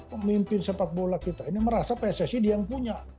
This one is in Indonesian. pemimpin sepak bola kita ini merasa pssi dia yang punya